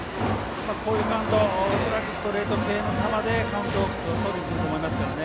こういうカウント恐らくストレート系の球でカウントをとりにくると思いますからね。